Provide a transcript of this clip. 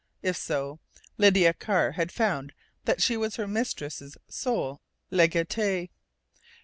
If so, Lydia Carr had found that she was her mistress' sole legatee....